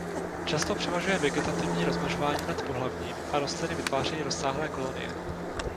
Často převažuje vegetativní rozmnožování nad pohlavním a rostliny vytvářejí rozsáhlé kolonie.